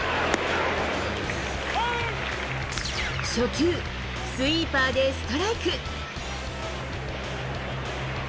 初球、スイーパーでストライク。